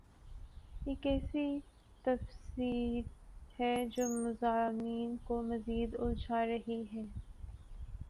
یہ کیسی تفسیر ہے جو مضامین کو مزید الجھا رہی ہے؟